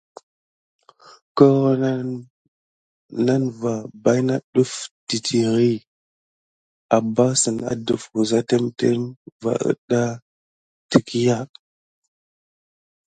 Koro nane va baïna ɗəf titiri, ambassəne adəf wəza témtém va ədda təkya.